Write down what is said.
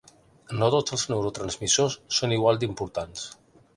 No tots els neurotransmissors són igual d’importants.